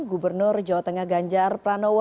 gubernur jawa tengah ganjar pranowo